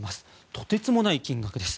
とてつもない金額です。